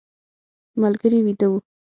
ملګري ویده و.